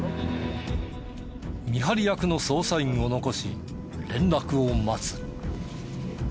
見張り役の捜査員を残し連絡を待つ。